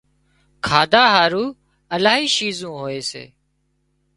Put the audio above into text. کاڌا هارُو الاهي شِيزون هوئي سي